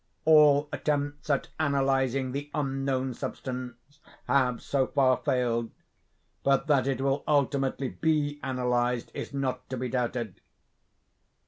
All attempts at analyzing the unknown substance have, so far, failed, but that it will ultimately be analyzed, is not to be doubted.